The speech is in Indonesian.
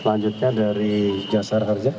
selanjutnya dari jasar harja